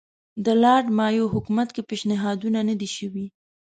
د لارډ مایو حکومت کې پېشنهادونه نه دي شوي.